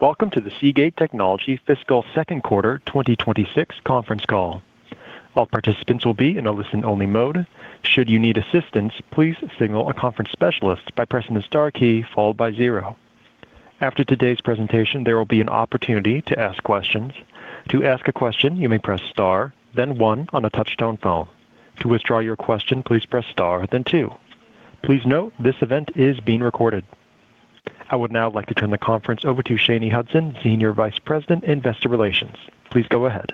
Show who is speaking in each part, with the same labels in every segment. Speaker 1: Welcome to the Seagate Technology Fiscal Second Quarter 2026 Conference Call. All participants will be in a listen-only mode. Should you need assistance, please signal a conference specialist by pressing the star key followed by zero. After today's presentation, there will be an opportunity to ask questions. To ask a question, you may press star, then one on a touch-tone phone. To withdraw your question, please press star, then two. Please note, this event is being recorded. I would now like to turn the conference over to Shanye Hudson, Senior Vice President, Investor Relations. Please go ahead.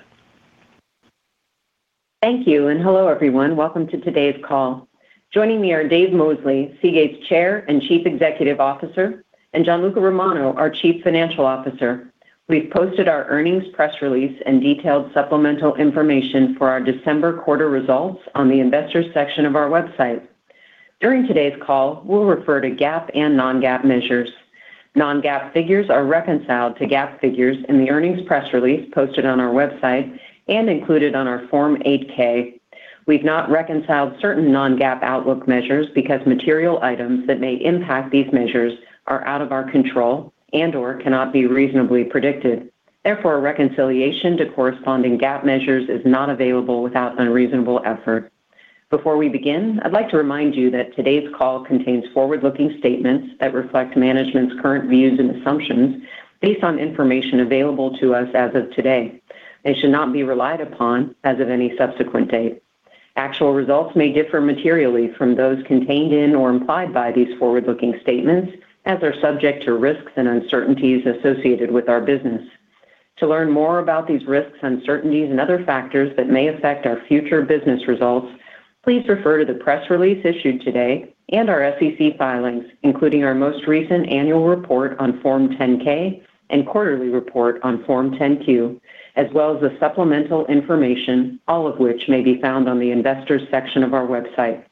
Speaker 2: Thank you, and hello, everyone. Welcome to today's call. Joining me are Dave Mosley, Seagate's Chair and Chief Executive Officer, and Gianluca Romano, our Chief Financial Officer. We've posted our earnings, press release, and detailed supplemental information for our December quarter results on the investors section of our website. During today's call, we'll refer to GAAP and non-GAAP measures. Non-GAAP figures are reconciled to GAAP figures in the earnings press release posted on our website and included on our Form 8-K. We've not reconciled certain non-GAAP outlook measures because material items that may impact these measures are out of our control and/or cannot be reasonably predicted. Therefore, a reconciliation to corresponding GAAP measures is not available without unreasonable effort. Before we begin, I'd like to remind you that today's call contains forward-looking statements that reflect management's current views and assumptions based on information available to us as of today. They should not be relied upon as of any subsequent date. Actual results may differ materially from those contained in or implied by these forward-looking statements, as are subject to risks and uncertainties associated with our business. To learn more about these risks, uncertainties, and other factors that may affect our future business results, please refer to the press release issued today and our SEC filings, including our most recent annual report on Form 10-K and quarterly report on Form 10-Q, as well as the supplemental information, all of which may be found on the investors section of our website.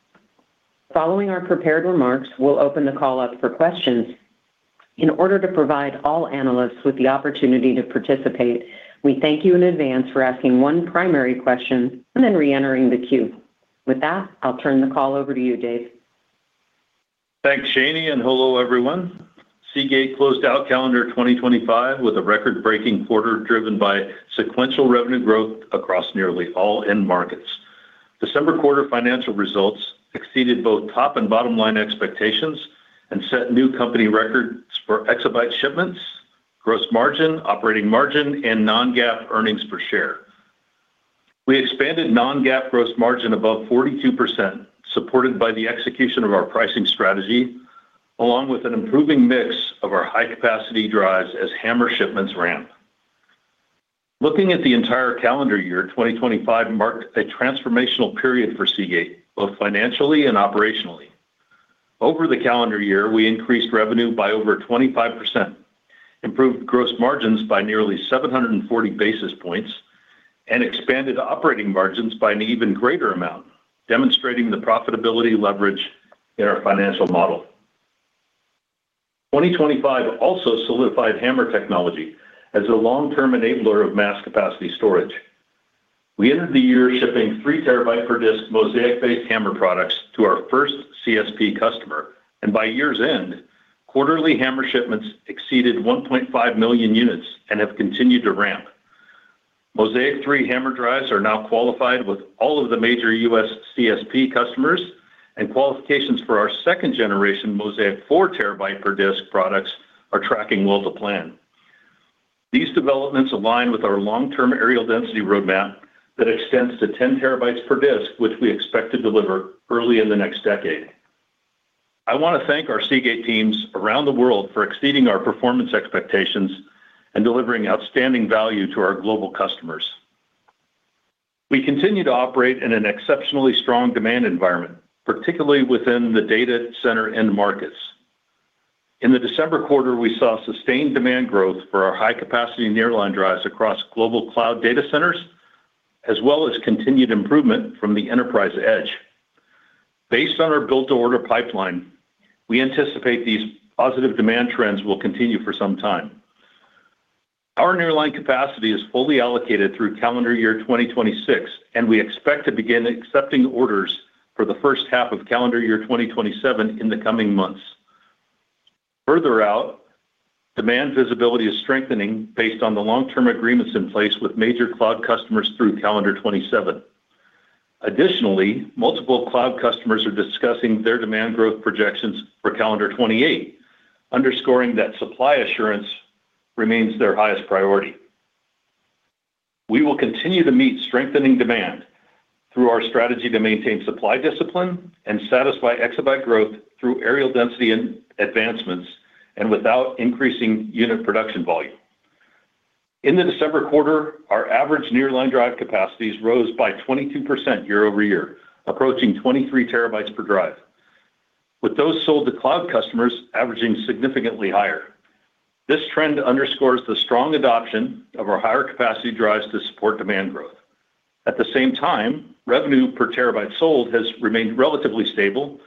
Speaker 2: Following our prepared remarks, we'll open the call up for questions. In order to provide all analysts with the opportunity to participate, we thank you in advance for asking one primary question and then reentering the queue. With that, I'll turn the call over to you, Dave.
Speaker 3: Thanks, Shanye, and hello, everyone. Seagate closed out calendar 2025 with a record-breaking quarter, driven by sequential revenue growth across nearly all end markets. December quarter financial results exceeded both top and bottom-line expectations and set new company records for exabyte shipments, gross margin, operating margin, and non-GAAP earnings per share. We expanded non-GAAP gross margin above 42%, supported by the execution of our pricing strategy, along with an improving mix of our high-capacity drives as HAMR shipments ramp. Looking at the entire calendar year, 2025 marked a transformational period for Seagate, both financially and operationally. Over the calendar year, we increased revenue by over 25%, improved gross margins by nearly 740 basis points, and expanded operating margins by an even greater amount, demonstrating the profitability leverage in our financial model. 2025 also solidified HAMR technology as a long-term enabler of mass capacity storage. We ended the year shipping 3 TB per disk Mozaic-based HAMR products to our first CSP customer, and by year's end, quarterly HAMR shipments exceeded 1.5 million units and have continued to ramp. Mozaic 3 HAMR drives are now qualified with all of the major U.S. CSP customers, and qualifications for our second generation Mozaic 4 TB per disk products are tracking well to plan. These developments align with our long-term areal density roadmap that extends to 10 TB per disk, which we expect to deliver early in the next decade. I want to thank our Seagate teams around the world for exceeding our performance expectations and delivering outstanding value to our global customers. We continue to operate in an exceptionally strong demand environment, particularly within the data center end markets. In the December quarter, we saw sustained demand growth for our high-capacity nearline drives across global cloud data centers, as well as continued improvement from the enterprise edge. Based on our build-to-order pipeline, we anticipate these positive demand trends will continue for some time. Our nearline capacity is fully allocated through calendar year 2026, and we expect to begin accepting orders for the first half of calendar year 2027 in the coming months. Further out, demand visibility is strengthening based on the long-term agreements in place with major cloud customers through calendar 2027. Additionally, multiple cloud customers are discussing their demand growth projections for calendar 2028, underscoring that supply assurance remains their highest priority. We will continue to meet strengthening demand through our strategy to maintain supply discipline and satisfy exabyte growth through areal density and advancements and without increasing unit production volume. In the December quarter, our average nearline drive capacities rose by 22% year-over-year, approaching 23 TB per drive, with those sold to cloud customers averaging significantly higher. This trend underscores the strong adoption of our higher capacity drives to support demand growth. At the same time, revenue per TB sold has remained relatively stable,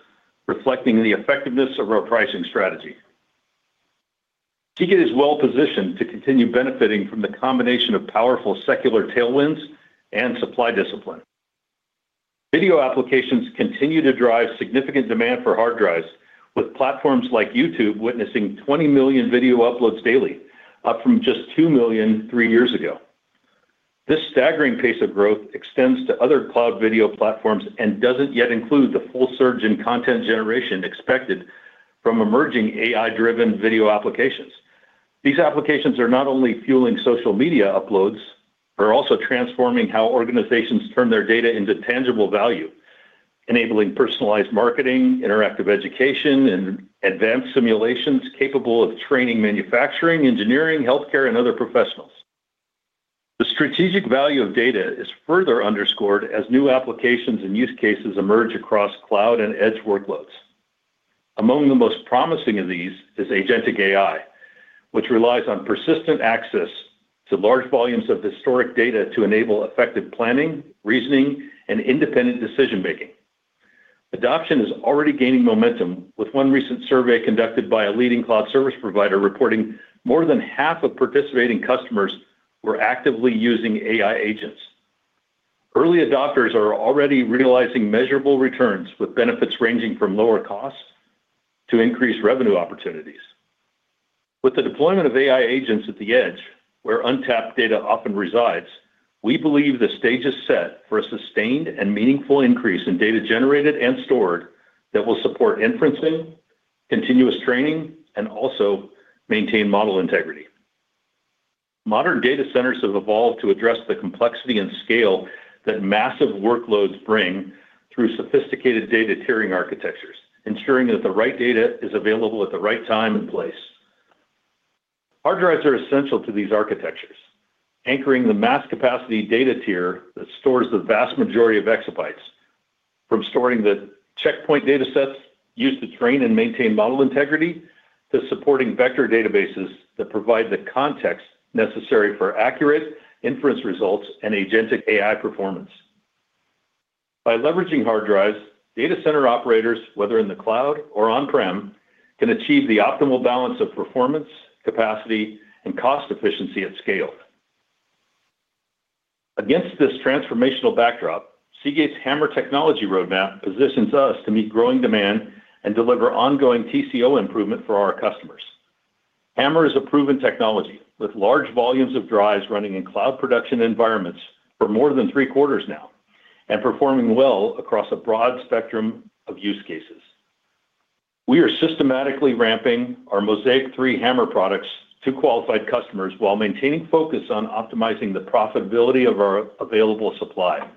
Speaker 3: reflecting the effectiveness of our pricing strategy. Seagate is well positioned to continue benefiting from the combination of powerful secular tailwinds and supply discipline. Video applications continue to drive significant demand for hard drives, with platforms like YouTube witnessing 20 million video uploads daily, up from just two million three years ago. This staggering pace of growth extends to other cloud video platforms and doesn't yet include the full surge in content generation expected from emerging AI-driven video applications. These applications are not only fueling social media uploads, but are also transforming how organizations turn their data into tangible value, enabling personalized marketing, interactive education, and advanced simulations capable of training manufacturing, engineering, healthcare, and other professionals. The strategic value of data is further underscored as new applications and use cases emerge across cloud and edge workloads. Among the most promising of these is agentic AI, which relies on persistent access to large volumes of historic data to enable effective planning, reasoning, and independent decision-making. Adoption is already gaining momentum, with one recent survey conducted by a leading cloud service provider reporting more than half of participating customers were actively using AI agents. Early adopters are already realizing measurable returns, with benefits ranging from lower costs to increased revenue opportunities. With the deployment of AI agents at the edge, where untapped data often resides, we believe the stage is set for a sustained and meaningful increase in data generated and stored that will support inferencing, continuous training, and also maintain model integrity. Modern data centers have evolved to address the complexity and scale that massive workloads bring through sophisticated data tiering architectures, ensuring that the right data is available at the right time and place. Hard drives are essential to these architectures, anchoring the mass capacity data tier that stores the vast majority of exabytes. From storing the checkpoint datasets used to train and maintain model integrity, to supporting vector databases that provide the context necessary for accurate inference results and agentic AI performance. By leveraging hard drives, data center operators, whether in the cloud or on-prem, can achieve the optimal balance of performance, capacity, and cost efficiency at scale. Against this transformational backdrop, Seagate's HAMR technology roadmap positions us to meet growing demand and deliver ongoing TCO improvement for our customers. HAMR is a proven technology, with large volumes of drives running in cloud production environments for more than three quarters now, and performing well across a broad spectrum of use cases. We are systematically ramping our Mozaic 3 HAMR products to qualified customers while maintaining focus on optimizing the profitability of our available supply.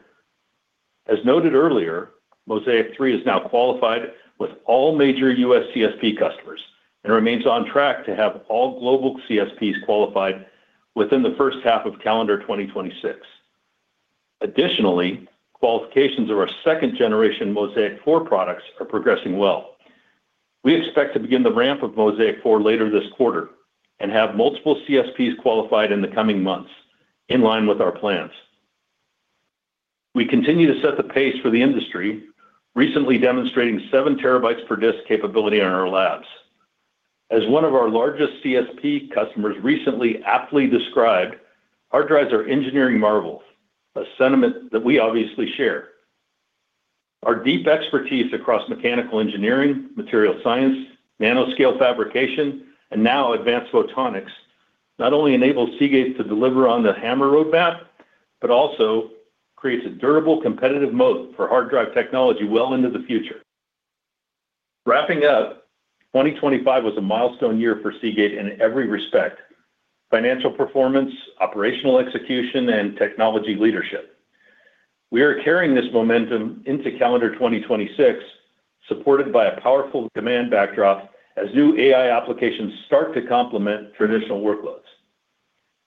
Speaker 3: As noted earlier, Mozaic 3 is now qualified with all major US CSP customers and remains on track to have all global CSPs qualified within the first half of calendar 2026. Additionally, qualifications of our second generation Mozaic 4 products are progressing well. We expect to begin the ramp of Mozaic 4 later this quarter and have multiple CSPs qualified in the coming months, in line with our plans. We continue to set the pace for the industry, recently demonstrating 7 TB per disk capability in our labs. As one of our largest CSP customers recently aptly described, hard drives are engineering marvels, a sentiment that we obviously share. Our deep expertise across mechanical engineering, material science, nanoscale fabrication, and now advanced photonics, not only enables Seagate to deliver on the HAMR roadmap, but also creates a durable competitive mode for hard drive technology well into the future. Wrapping up, 2025 was a milestone year for Seagate in every respect: financial performance, operational execution, and technology leadership. We are carrying this momentum into calendar 2026, supported by a powerful demand backdrop as new AI applications start to complement traditional workloads.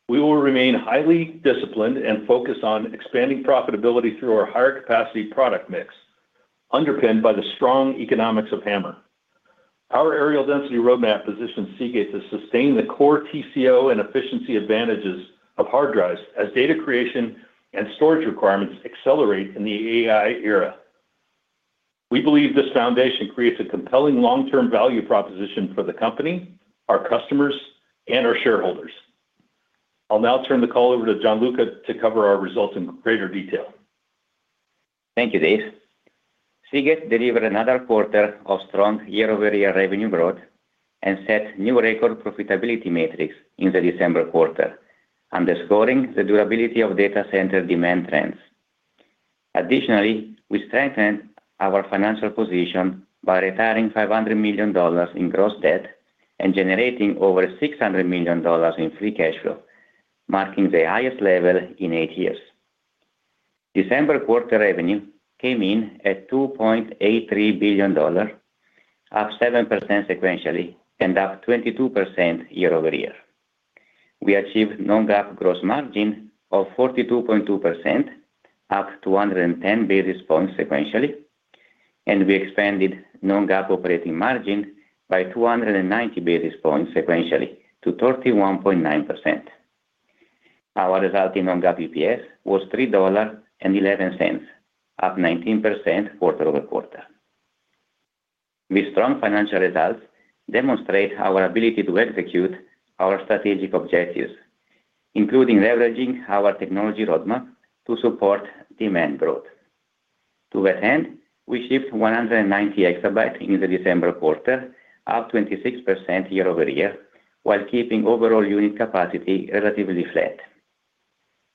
Speaker 3: We will remain highly disciplined and focused on expanding profitability through our higher capacity product mix, underpinned by the strong economics of HAMR. Our areal density roadmap positions Seagate to sustain the core TCO and efficiency advantages of hard drives as data creation and storage requirements accelerate in the AI era. We believe this foundation creates a compelling long-term value proposition for the company, our customers, and our shareholders. I'll now turn the call over to Gianluca to cover our results in greater detail.
Speaker 4: Thank you, Dave. Seagate delivered another quarter of strong year-over-year revenue growth and set new record profitability metrics in the December quarter, underscoring the durability of data center demand trends. Additionally, we strengthened our financial position by retiring $500 million in gross debt and generating over $600 million in free cash flow, marking the highest level in eight years. December quarter revenue came in at $2.83 billion, up 7% sequentially and up 22% year-over-year. We achieved non-GAAP gross margin of 42.2%, up 210 basis points sequentially, and we expanded non-GAAP operating margin by 290 basis points sequentially to 31.9%. Our resulting non-GAAP EPS was $3.11, up 19% quarter-over-quarter. With strong financial results demonstrate our ability to execute our strategic objectives, including leveraging our technology roadmap to support demand growth. To that end, we shipped 190 exabytes in the December quarter, up 26% year-over-year, while keeping overall unit capacity relatively flat.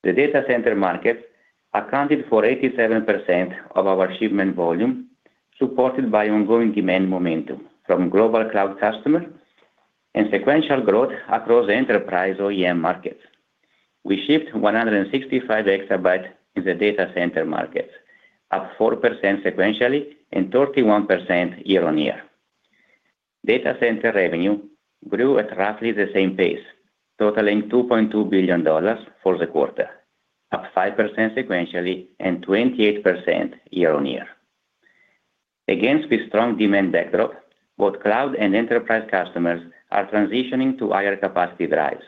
Speaker 4: The data center market accounted for 87% of our shipment volume, supported by ongoing demand momentum from global cloud customer and sequential growth across enterprise OEM markets. We shipped 165 exabytes in the data center market, up 4% sequentially and 31% year-over-year. Data center revenue grew at roughly the same pace, totaling $2.2 billion for the quarter, up 5% sequentially and 28% year-over-year. Against this strong demand backdrop, both cloud and enterprise customers are transitioning to higher capacity drives.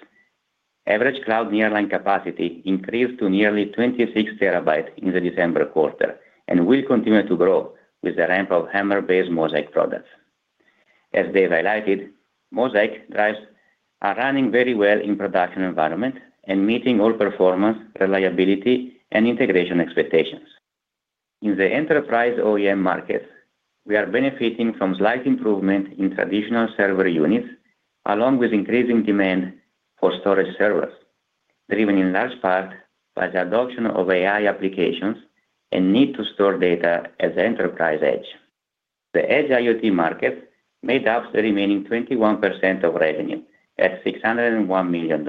Speaker 4: Average cloud nearline capacity increased to nearly 26 TB in the December quarter, and will continue to grow with the ramp of HAMR-based Mozaic products. As Dave highlighted, Mozaic drives are running very well in production environment and meeting all performance, reliability, and integration expectations. In the enterprise OEM market, we are benefiting from slight improvement in traditional server units, along with increasing demand for storage servers, driven in large part by the adoption of AI applications and need to store data at the enterprise edge. The edge IoT market made up the remaining 21% of revenue at $601 million,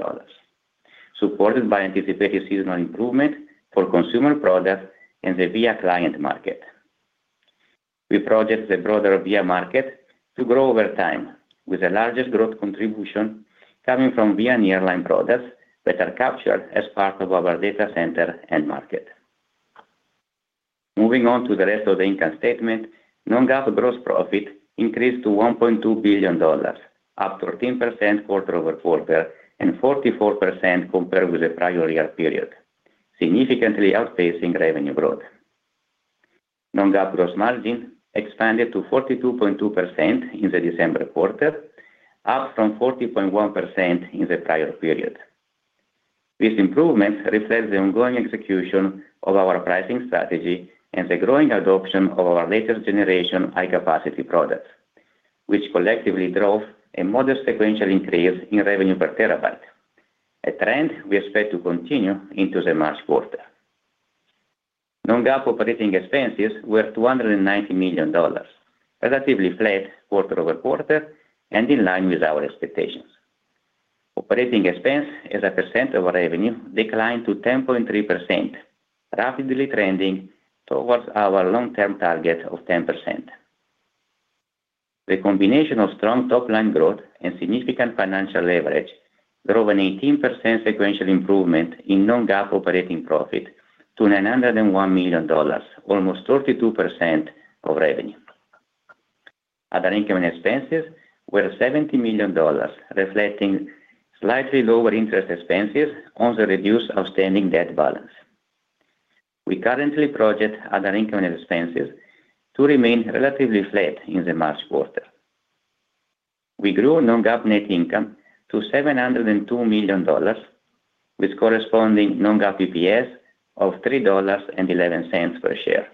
Speaker 4: supported by anticipated seasonal improvement for consumer products and the VIA client market. We project the broader VIA market to grow over time, with the largest growth contribution coming from VIA nearline products that are captured as part of our data center end market. Moving on to the rest of the income statement, non-GAAP gross profit increased to $1.2 billion, up 13% quarter-over-quarter, and 44% compared with the prior year period, significantly outpacing revenue growth. Non-GAAP gross margin expanded to 42.2% in the December quarter, up from 40.1% in the prior period. This improvement reflects the ongoing execution of our pricing strategy and the growing adoption of our latest generation high-capacity products, which collectively drove a modest sequential increase in revenue per TB, a trend we expect to continue into the March quarter. Non-GAAP operating expenses were $290 million, relatively flat quarter-over-quarter and in line with our expectations. Operating expense as a percent of our revenue declined to 10.3%, rapidly trending towards our long-term target of 10%. The combination of strong top-line growth and significant financial leverage drove an 18% sequential improvement in non-GAAP operating profit to $901 million, almost 32% of revenue. Other income and expenses were $70 million, reflecting slightly lower interest expenses on the reduced outstanding debt balance. We currently project other income and expenses to remain relatively flat in the March quarter. We grew non-GAAP net income to $702 million, with corresponding non-GAAP EPS of $3.11 per share,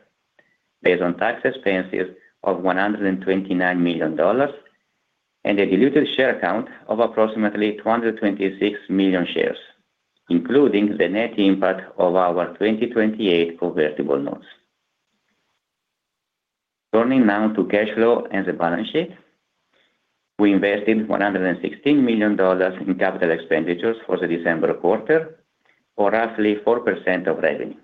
Speaker 4: based on tax expenses of $129 million and a diluted share count of approximately 226 million shares, including the net impact of our 2028 convertible notes. Turning now to cash flow and the balance sheet. We invested $116 million in capital expenditures for the December quarter, or roughly 4% of revenue.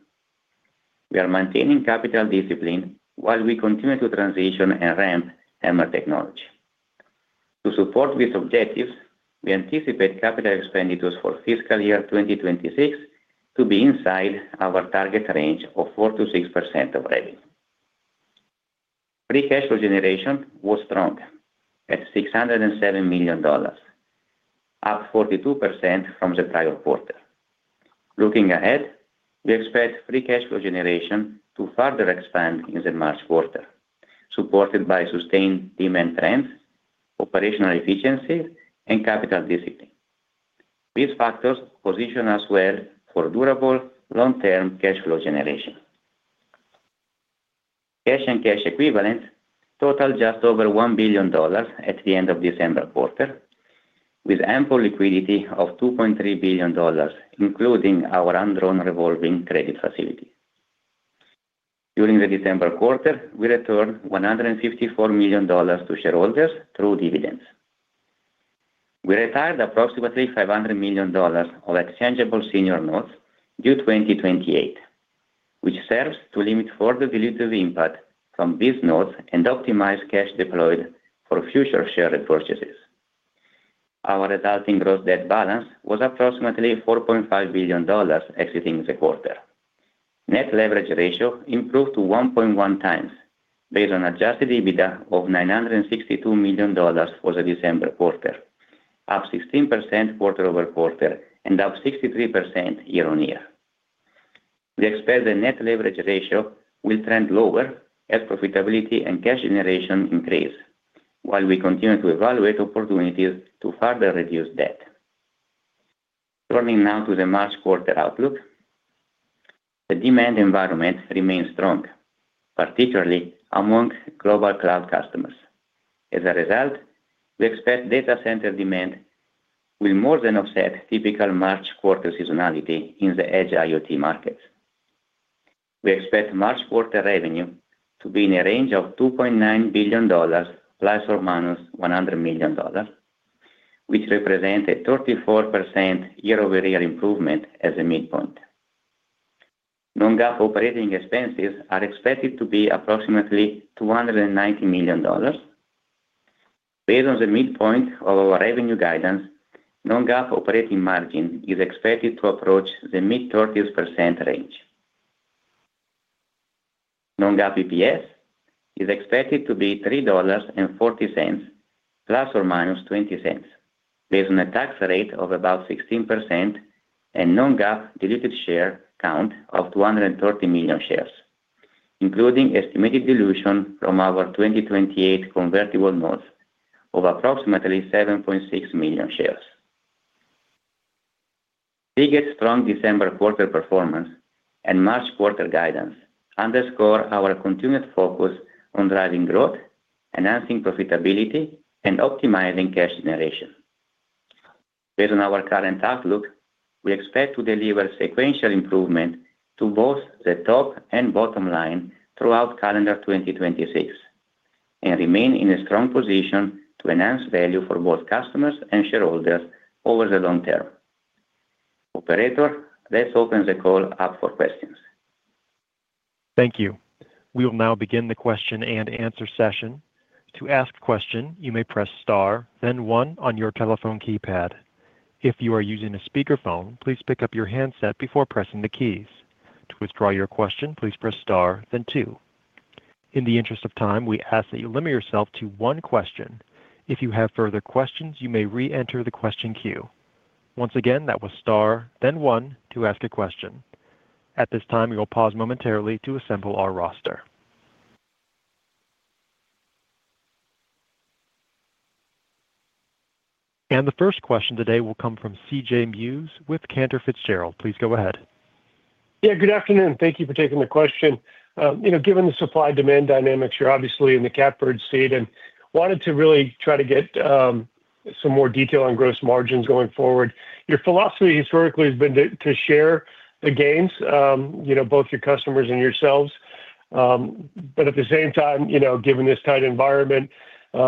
Speaker 4: We are maintaining capital discipline while we continue to transition and ramp HAMR technology. To support these objectives, we anticipate capital expenditures for fiscal year 2026 to be inside our target range of 4%-6% of revenue. Free cash flow generation was strong at $607 million, up 42% from the prior quarter. Looking ahead, we expect free cash flow generation to further expand in the March quarter, supported by sustained demand trends, operational efficiency, and capital discipline. These factors position us well for durable, long-term cash flow generation. Cash and cash equivalents totaled just over $1 billion at the end of December quarter, with ample liquidity of $2.3 billion, including our undrawn revolving credit facility. During the December quarter, we returned $154 million to shareholders through dividends. We retired approximately $500 million of exchangeable senior notes due 2028, which serves to limit further dilutive impact from these notes and optimize cash deployed for future share repurchases. Our resulting gross debt balance was approximately $4.5 billion exiting the quarter. Net leverage ratio improved to 1.1 times, based on adjusted EBITDA of $962 million for the December quarter, up 16% quarter-over-quarter, and up 63% year-on-year. We expect the net leverage ratio will trend lower as profitability and cash generation increase, while we continue to evaluate opportunities to further reduce debt. Turning now to the March quarter outlook. The demand environment remains strong, particularly among global cloud customers. As a result, we expect data center demand will more than offset typical March quarter seasonality in the edge IoT market. We expect March quarter revenue to be in a range of $2.9 billion ±$100 million, which represent a 34% year-over-year improvement as a midpoint. Non-GAAP operating expenses are expected to be approximately $290 million. Based on the midpoint of our revenue guidance, non-GAAP operating margin is expected to approach the mid-30s% range. Non-GAAP EPS is expected to be $3.40 ±$0.20, based on a tax rate of about 16% and non-GAAP diluted share count of 230 million shares, including estimated dilution from our 2028 convertible notes of approximately 7.6 million shares. Seagate's strong December quarter performance and March quarter guidance underscore our continued focus on driving growth, enhancing profitability, and optimizing cash generation. Based on our current outlook, we expect to deliver sequential improvement to both the top and bottom line throughout calendar 2026, and remain in a strong position to enhance value for both customers and shareholders over the long term. Operator, let's open the call up for questions.
Speaker 1: Thank you. We will now begin the question-and-answer session. To ask a question, you may press star, then one on your telephone keypad. If you are using a speakerphone, please pick up your handset before pressing the keys. To withdraw your question, please press star, then two. In the interest of time, we ask that you limit yourself to one question. If you have further questions, you may reenter the question queue. Once again, that was star, then one to ask a question. At this time, we will pause momentarily to assemble our roster. The first question today will come from CJ Muse with Cantor Fitzgerald. Please go ahead.
Speaker 5: Yeah, good afternoon. Thank you for taking the question. You know, given the supply-demand dynamics, you're obviously in the catbird seat and wanted to really try to get some more detail on gross margins going forward. Your philosophy historically has been to share the gains, you know, both your customers and yourselves. But at the same time, you know, given this tight environment,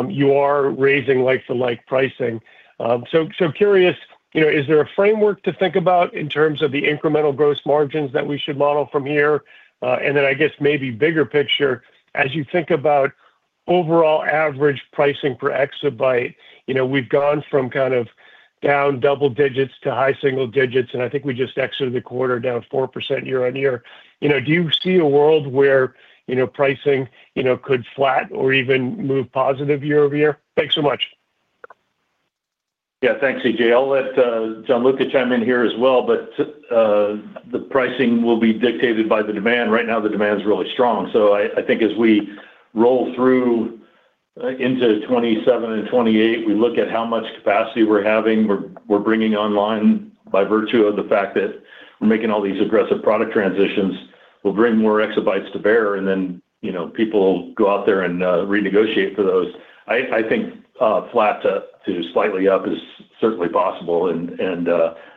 Speaker 5: you are raising like-for-like pricing. So curious, you know, is there a framework to think about in terms of the incremental gross margins that we should model from here? And then I guess maybe bigger picture, as you think about overall average pricing per exabyte, you know, we've gone from kind of down double digits to high single digits, and I think we just exited the quarter down 4% year-on-year. You know, do you see a world where, you know, pricing, you know, could flat or even move positive year-over-year? Thanks so much.
Speaker 3: Yeah. Thanks, CJ. I'll let Gianluca chime in here as well, but the pricing will be dictated by the demand. Right now, the demand is really strong, so I think as we roll through into 2027 and 2028, we look at how much capacity we're having. We're bringing online by virtue of the fact that we're making all these aggressive product transitions. We'll bring more exabytes to bear, and then, you know, people go out there and renegotiate for those. I think flat to slightly up is certainly possible, and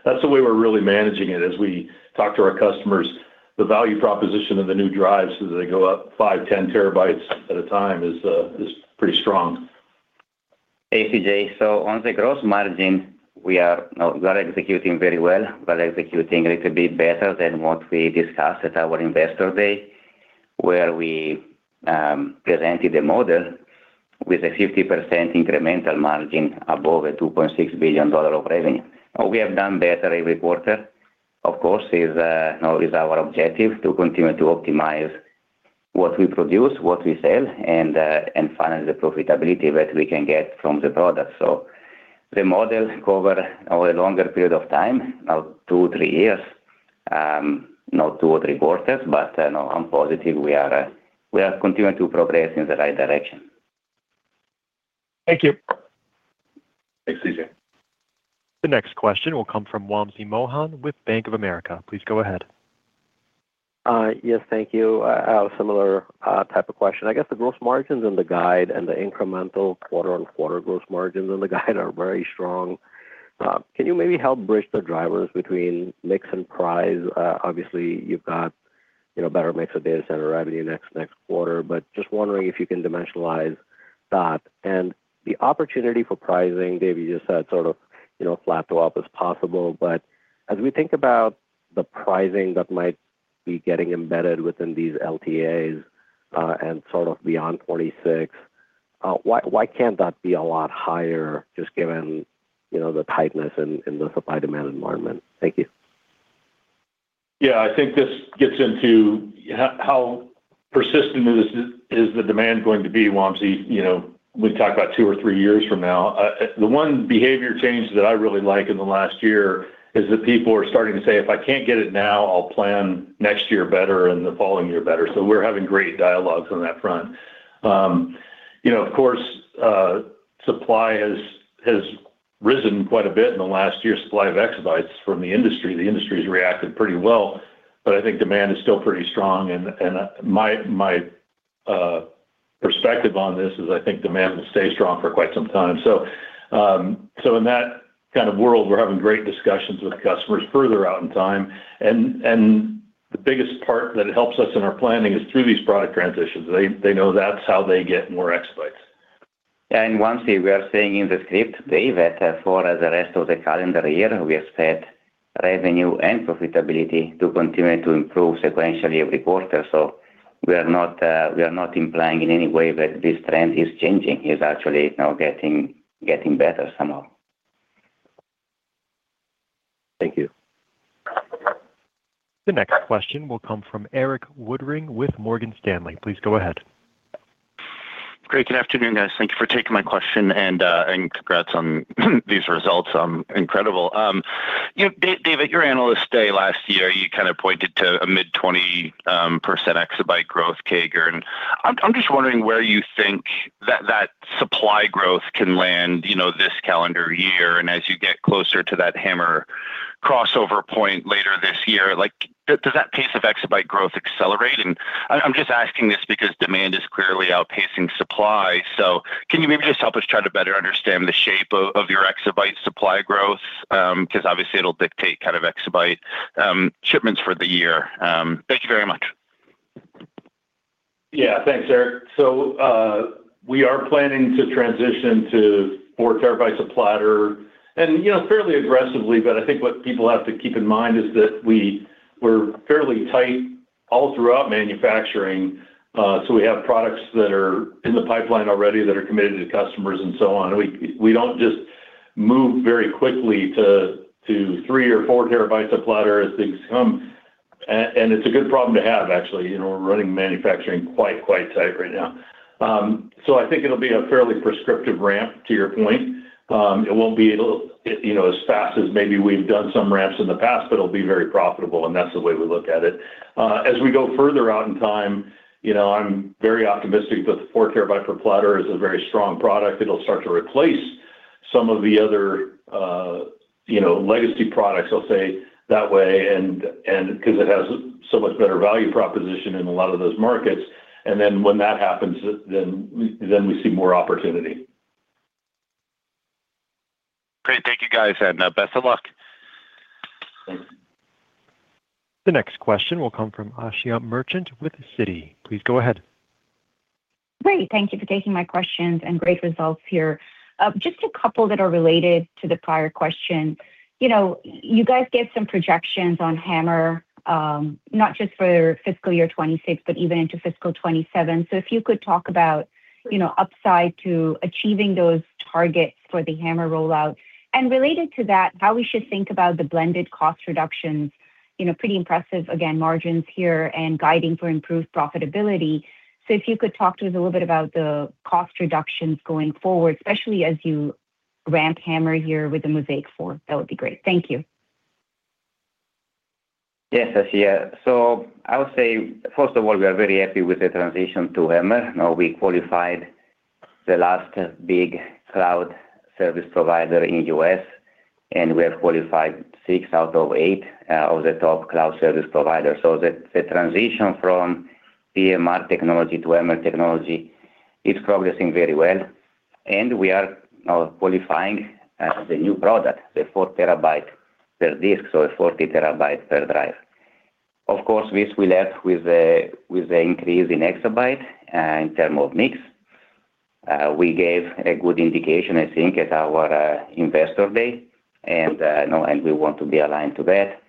Speaker 3: that's the way we're really managing it. As we talk to our customers, the value proposition of the new drives as they go up 5 TB, 10 TB at a time is pretty strong.
Speaker 4: Hey, CJ. So on the gross margin, we are executing very well. We are executing a little bit better than what we discussed at our Investor Day, where we presented a model with a 50% incremental margin above $2.6 billion of revenue. We have done better every quarter, of course, now is our objective to continue to optimize what we produce, what we sell, and finally, the profitability that we can get from the product. So the model cover over a longer period of time, now two, three years, not two or three quarters, but I'm positive we are continuing to progress in the right direction.
Speaker 5: Thank you.
Speaker 3: Thanks, CJ.
Speaker 1: The next question will come from Wamsi Mohan with Bank of America. Please go ahead.
Speaker 6: Yes, thank you. I have a similar type of question. I guess the gross margins and the guide and the incremental quarter-over-quarter gross margins and the guide are very strong. Can you maybe help bridge the drivers between mix and price? Obviously, you've got, you know, better mix of data center revenue next quarter, but just wondering if you can dimensionalize that. And the opportunity for pricing, Dave, you just said sort of, you know, flat to up is possible, but as we think about the pricing that might be getting embedded within these LTAs, and sort of beyond 26, why can't that be a lot higher, just given, you know, the tightness in the supply-demand environment? Thank you.
Speaker 3: Yeah. I think this gets into how persistent is, is the demand going to be, Wamsi? You know, we've talked about two or three years from now. The one behavior change that I really like in the last year is that people are starting to say: "If I can't get it now, I'll plan next year better and the following year better." So we're having great dialogues on that front. You know, of course, supply has risen quite a bit in the last year, supply of exabytes from the industry. The industry has reacted pretty well, but I think demand is still pretty strong. My perspective on this is I think demand will stay strong for quite some time. So in that kind of world, we're having great discussions with customers further out in time. And the biggest part that helps us in our planning is through these product transitions. They know that's how they get more exabytes.
Speaker 4: Wamsi, we are saying in the script, Dave, for the rest of the calendar year, we expect revenue and profitability to continue to improve sequentially every quarter. So we are not, we are not implying in any way that this trend is changing. It's actually now getting better somehow.
Speaker 6: Thank you.
Speaker 1: The next question will come from Erik Woodring with Morgan Stanley. Please go ahead.
Speaker 7: Great. Good afternoon, guys. Thank you for taking my question, and congrats on these results, incredible. You know, Dave, your Analyst Day last year, you kind of pointed to a mid-20% exabyte growth CAGR. And I'm just wondering where you think that supply growth can land, you know, this calendar year, and as you get closer to that HAMR crossover point later this year, like, does that pace of exabyte growth accelerate? And I'm just asking this because demand is clearly outpacing supply. So can you maybe just help us try to better understand the shape of your exabyte supply growth? Because obviously, it'll dictate kind of exabyte shipments for the year. Thank you very much.
Speaker 3: Yeah. Thanks, Erik. So, we are planning to transition to 4 TB of platter and, you know, fairly aggressively. But I think what people have to keep in mind is that we're fairly tight all throughout manufacturing, so we have products that are in the pipeline already that are committed to customers and so on. We don't just move very quickly to 3 TB or 4 TB of platter as things come. And it's a good problem to have, actually. You know, we're running manufacturing quite tight right now. So I think it'll be a fairly prescriptive ramp, to your point. It won't be, you know, as fast as maybe we've done some ramps in the past, but it'll be very profitable, and that's the way we look at it. As we go further out in time, you know, I'm very optimistic that the 4 TB per platter is a very strong product. It'll start to replace some of the other, you know, legacy products, I'll say, that way, and because it has so much better value proposition in a lot of those markets. Then when that happens, then we see more opportunity.
Speaker 7: Great. Thank you, guys, and best of luck.
Speaker 3: Thank you.
Speaker 1: The next question will come from Asiya Merchant with Citi. Please go ahead.
Speaker 8: Great. Thank you for taking my questions, and great results here. Just a couple that are related to the prior question. You know, you guys gave some projections on HAMR, not just for fiscal year 2026, but even into fiscal 2027. So if you could talk about, you know, upside to achieving those targets for the HAMR rollout. And related to that, how we should think about the blended cost reductions. You know, pretty impressive, again, margins here and guiding for improved profitability. So if you could talk to us a little bit about the cost reductions going forward, especially as you ramp HAMR here with the Mozaic 4, that would be great. Thank you.
Speaker 4: Yes, Asiya. So I would say, first of all, we are very happy with the transition to HAMR. Now, we qualified the last big cloud service provider in U.S., and we have qualified six out of eight of the top cloud service providers. So the transition from PMR technology to HAMR technology is progressing very well, and we are now qualifying the new product, the 4 TB per disk, so a 40 TB per drive. Of course, this will help with the increase in exabyte in term of mix. We gave a good indication, I think, at our Investor Day, and now we want to be aligned to that.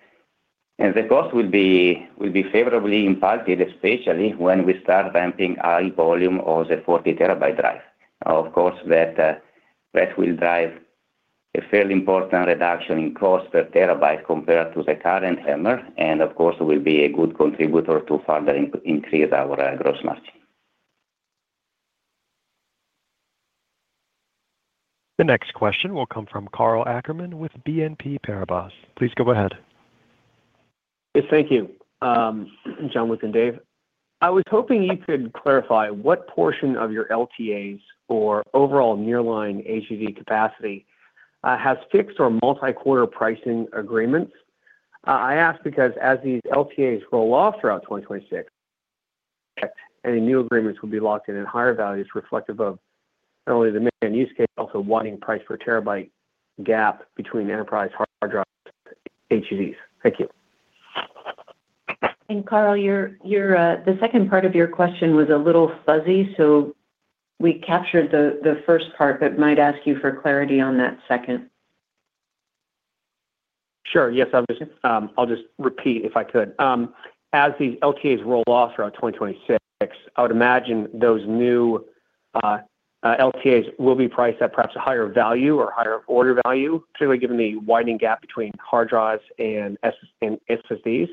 Speaker 4: And the cost will be favorably impacted, especially when we start ramping high volume of the 40 TB drive. Of course, that will drive a fairly important reduction in cost per TB compared to the current HAMR, and of course, will be a good contributor to further increase our gross margin.
Speaker 1: The next question will come from Karl Ackerman with BNP Paribas. Please go ahead.
Speaker 9: Yes, thank you. Gianluca and Dave, I was hoping you could clarify what portion of your LTAs or overall nearline HDD capacity has fixed or multi-quarter pricing agreements? I ask because as these LTAs roll off throughout 2026, any new agreements will be locked in at higher values, reflective of not only the main use case, also widening price per TB gap between enterprise hard drives HDDs. Thank you.
Speaker 2: Karl, the second part of your question was a little fuzzy, so we captured the first part, but might ask you for clarity on that second.
Speaker 9: Sure. Yes, obviously. I'll just repeat, if I could. As these LTAs roll off throughout 2026, I would imagine those new-... LTAs will be priced at perhaps a higher value or higher order value, clearly given the widening gap between hard drives and S- and SSDs.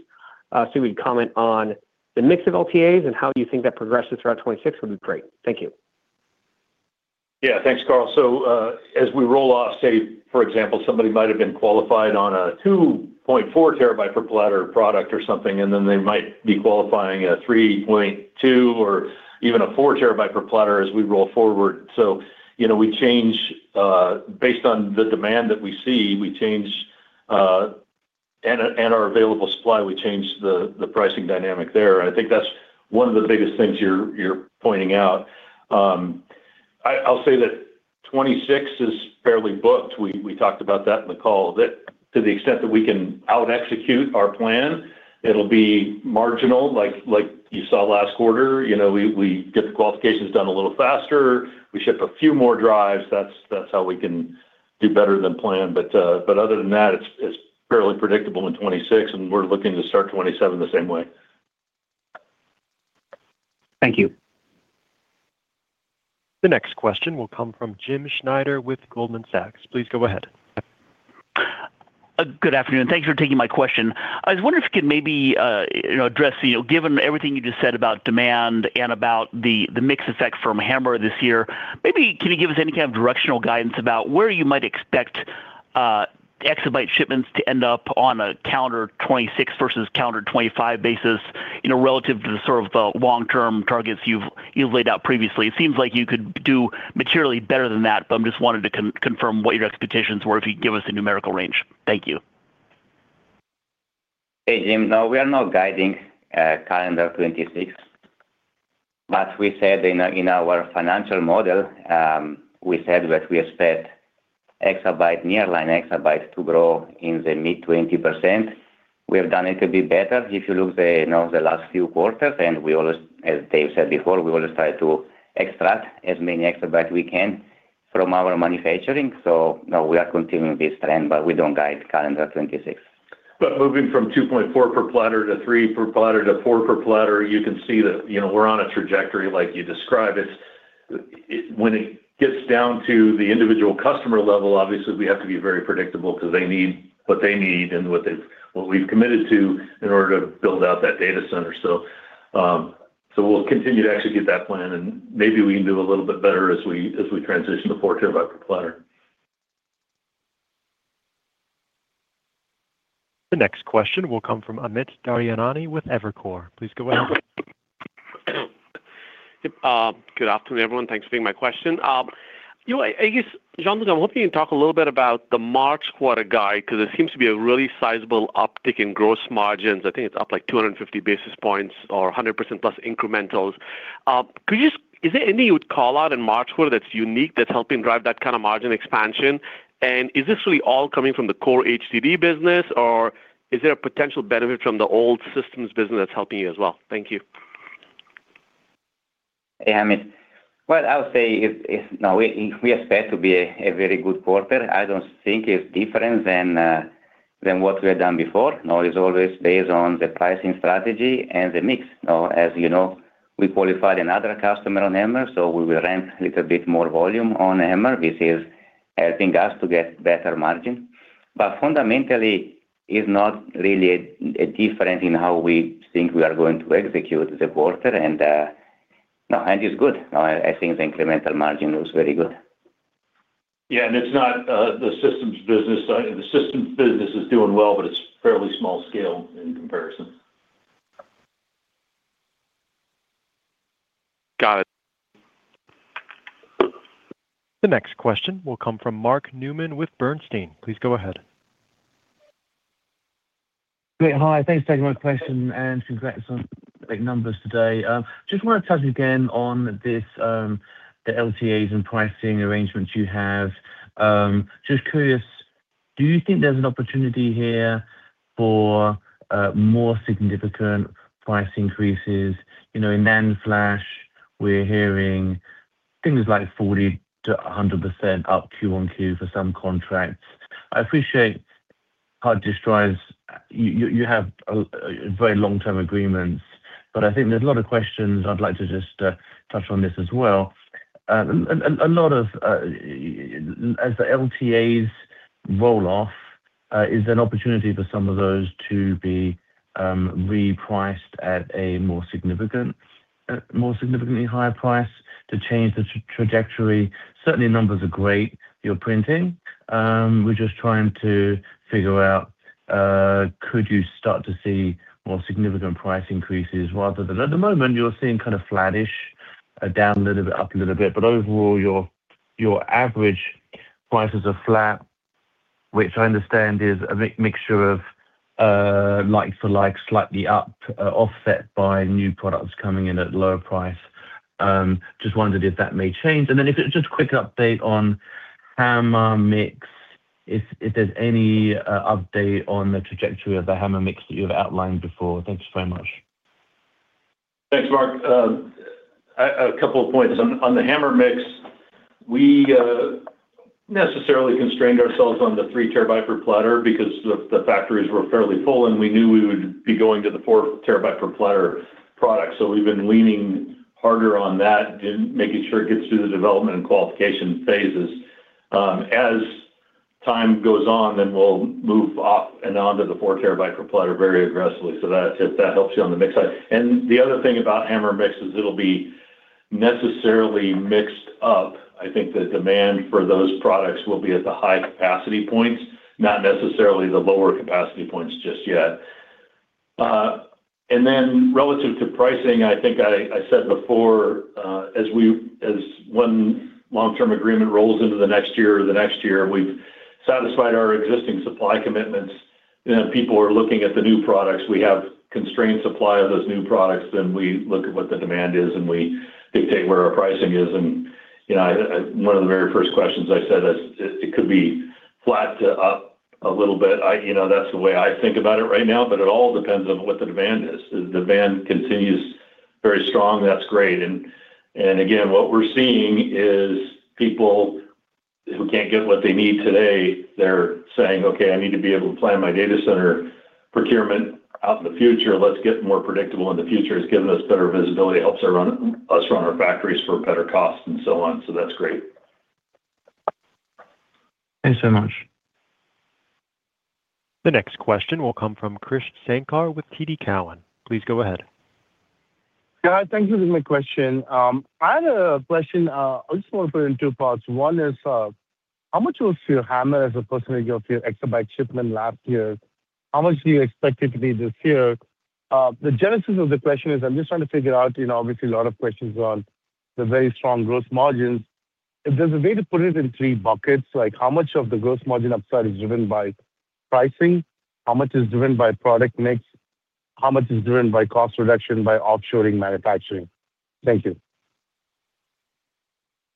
Speaker 9: So we'd comment on the mix of LTAs and how you think that progresses throughout 2026 would be great. Thank you.
Speaker 3: Yeah, thanks, Karl. So, as we roll off, say, for example, somebody might have been qualified on a 2.4 TB per platter product or something, and then they might be qualifying a 3.2 or even a 4 TB per platter as we roll forward. So, you know, we change based on the demand that we see, we change and our available supply, we change the pricing dynamic there. I think that's one of the biggest things you're pointing out. I'll say that 2026 is fairly booked. We talked about that in the call, that to the extent that we can out execute our plan, it'll be marginal like you saw last quarter. You know, we get the qualifications done a little faster, we ship a few more drives, that's how we can do better than planned. But other than that, it's fairly predictable in 2026, and we're looking to start 2027 the same way.
Speaker 9: Thank you.
Speaker 1: The next question will come from Jim Schneider with Goldman Sachs. Please go ahead.
Speaker 10: Good afternoon, and thanks for taking my question. I was wondering if you could maybe, you know, address, you know, given everything you just said about demand and about the, the mix effect from HAMR this year, maybe can you give us any kind of directional guidance about where you might expect, exabyte shipments to end up on a calendar 2026 versus calendar 2025 basis, you know, relative to the sort of the long-term targets you've, you've laid out previously? It seems like you could do materially better than that, but I just wanted to confirm what your expectations were if you'd give us a numerical range. Thank you.
Speaker 4: Hey, Jim. No, we are not guiding calendar 2026, but we said in our financial model, we said that we expect exabyte nearline exabyte to grow in the mid-20%. We have done it a bit better. If you look the, you know, the last few quarters, and we always, as Dave said before, we always try to extract as many exabyte we can from our manufacturing. So no, we are continuing this trend, but we don't guide calendar 2026.
Speaker 3: But moving from 2.4 per platter to 3 per platter to 4 per platter, you can see that, you know, we're on a trajectory like you described. When it gets down to the individual customer level, obviously we have to be very predictable because they need what they need and what they've... what we've committed to in order to build out that data center. So we'll continue to execute that plan, and maybe we can do a little bit better as we transition to 4 TB per platter.
Speaker 1: The next question will come from Amit Daryanani with Evercore. Please go ahead.
Speaker 11: Good afternoon, everyone. Thanks for taking my question. You know, I guess, Gianluca, I'm hoping you can talk a little bit about the March quarter guide, because it seems to be a really sizable uptick in gross margins. I think it's up, like, 250 basis points or 100% plus incrementals. Could you just? Is there any you would call out in March quarter that's unique, that's helping drive that kind of margin expansion? And is this really all coming from the core HDD business, or is there a potential benefit from the old systems business that's helping you as well? Thank you.
Speaker 4: Amit, I mean, what I would say is now we expect to be a very good quarter. I don't think it's different than what we have done before. Now, it's always based on the pricing strategy and the mix. Now, as you know, we qualified another customer on HAMR, so we will ramp a little bit more volume on HAMR, which is helping us to get better margin. But fundamentally, it's not really a difference in how we think we are going to execute the quarter, and it's good. I think the incremental margin looks very good.
Speaker 3: Yeah, and it's not the systems business. The systems business is doing well, but it's fairly small-scale in comparison.
Speaker 11: Got it.
Speaker 1: The next question will come from Mark Newman with Bernstein. Please go ahead.
Speaker 12: Great. Hi, thanks for taking my question, and congrats on the numbers today. Just want to touch again on this, the LTAs and pricing arrangements you have. Just curious, do you think there's an opportunity here for more significant price increases? You know, in NAND flash, we're hearing things like 40%-100% up quarter on quarter for some contracts. I appreciate hard disk drives. You have a very long-term agreements, but I think there's a lot of questions I'd like to just touch on this as well. And a lot of, as the LTAs roll off, is there an opportunity for some of those to be repriced at a more significant, more significantly higher price to change the trajectory? Certainly, numbers are great, you're printing. We're just trying to figure out, could you start to see more significant price increases rather than... At the moment, you're seeing kind of flattish, down a little bit, up a little bit, but overall, your average prices are flat, which I understand is a mixture of, like for like, slightly up, offset by new products coming in at a lower price. Just wondered if that may change. And then if it's just a quick update on HAMR mix, if there's any update on the trajectory of the HAMR mix that you've outlined before. Thanks very much.
Speaker 3: Thanks, Mark. A couple of points. On the HAMR mix. We necessarily constrained ourselves on the 3 TB per platter because the factories were fairly full, and we knew we would be going to the 4 TB per platter product. So we've been leaning harder on that and making sure it gets through the development and qualification phases. As time goes on, then we'll move off and onto the 4 TB per platter very aggressively. So that, if that helps you on the mix side. And the other thing about HAMR mix is it'll be necessarily mixed up. I think the demand for those products will be at the high capacity points, not necessarily the lower capacity points just yet. And then relative to pricing, I think I said before, as one long-term agreement rolls into the next year or the next year, we've satisfied our existing supply commitments, then people are looking at the new products. We have constrained supply of those new products, then we look at what the demand is, and we dictate where our pricing is. And, you know, one of the very first questions I said is, it could be flat to up a little bit. You know, that's the way I think about it right now, but it all depends on what the demand is. If the demand continues very strong, that's great, and again, what we're seeing is people who can't get what they need today, they're saying, "Okay, I need to be able to plan my data center procurement out in the future. Let's get more predictable in the future." It's giving us better visibility, helps us run our factories for better cost and so on, so that's great.
Speaker 12: Thanks so much.
Speaker 1: The next question will come from Krish Sankar with TD Cowen. Please go ahead.
Speaker 13: Yeah, thank you for my question. I had a question, I just want to put it in two parts. One is, how much was your HAMR as a percentage of your exabyte shipment last year? How much do you expect it to be this year? The genesis of the question is I'm just trying to figure out, you know, obviously, a lot of questions on the very strong gross margins. If there's a way to put it in three buckets, like how much of the gross margin upside is driven by pricing? How much is driven by product mix? How much is driven by cost reduction, by offshoring manufacturing? Thank you.